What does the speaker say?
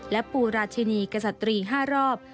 และปูราชินีกษัตรี๕รอบ